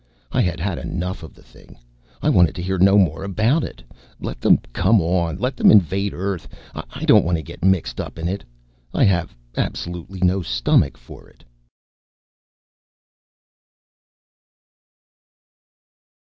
I had had enough of the thing. I want to hear no more about it. Let them come on. Let them invade Earth. I don't want to get mixed up in it. I have absolutely no stomach for it.